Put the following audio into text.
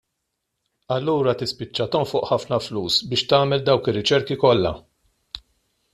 Allura tispiċċa tonfoq ħafna flus biex tagħmel dawk ir-riċerki kollha.